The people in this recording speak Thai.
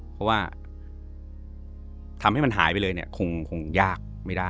เพราะว่าทำให้มันหายไปเลยเนี่ยคงยากไม่ได้